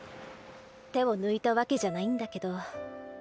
手を抜いたわけじゃないんだけど。